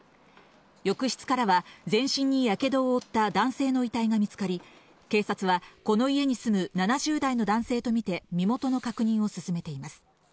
浴室からは全身にやけどを負った男性の遺体が見つかり、警察はこの家に住む７０代の男性とみて身元の確認を進めています。